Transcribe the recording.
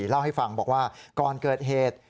เล่าให้ฟังบอกว่าก่อนเกิดเหตุ